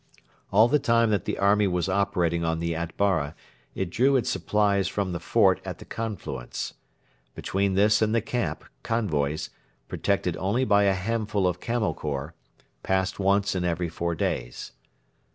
All the time that the army was operating on the Atbara it drew its supplies from the fort at the confluence. Between this and the camp, convoys, protected only by a handful of Camel Corps, passed once in every four days.